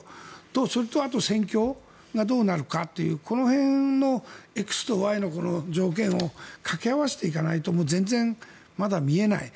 それとあとは戦況がどうなるかというこの辺のＸとＹの条件を掛け合わせていかないと全然まだ見えない。